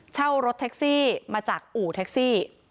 เช่ารถแท็กซี่มาจากอู่แท็กซี่